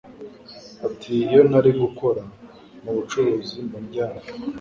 Ati “Iyo ntari gukora mu bucuruzi mba nryamye